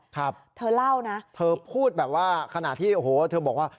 ครับเธอเล่านะเธอพูดแบบว่าขณะที่โอ้โหเธอบอกว่า